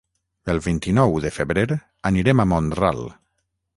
El vint-i-nou de febrer anirem a Mont-ral.